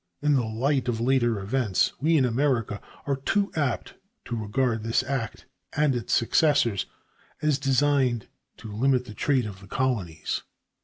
In the light of later events, we in America are too apt to regard this act and its successors as designed to limit the trade of the colonies.